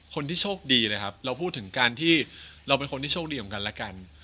คนที่โชคดีนะครับเราพูดถึงการที่เราเป็นคนที่โชคดีของกันและกัน